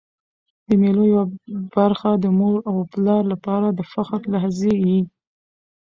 د مېلو یوه برخه د مور او پلار له پاره د فخر لحظې يي.